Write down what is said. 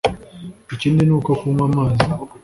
Ikindi ni uko kunywa amazi